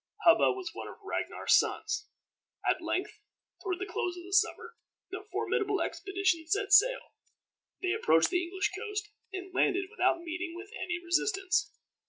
Hubba was one of Ragnar's sons. At length, toward the close of the summer, the formidable expedition set sail. They approached the English coast, and landed without meeting with any resistance.